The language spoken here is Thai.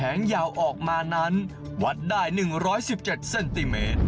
ยาวออกมานั้นวัดได้๑๑๗เซนติเมตร